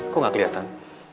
kok gak kelihatan